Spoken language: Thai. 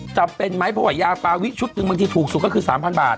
จำเป็นไหมเพราะว่ายาฟาวิชุดหนึ่งบางทีถูกสุดก็คือ๓๐๐บาท